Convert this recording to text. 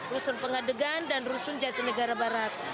rusun pengadegan dan rusun jati negara barat